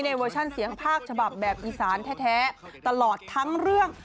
เวอร์ชันเสียงภาคฉบับแบบอีสานแท้ตลอดทั้งเรื่อง